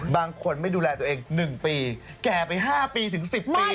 บางคนไม่ดูแลตัวเองหนึ่งปีแก่ไปห้าปีถึงสิบปี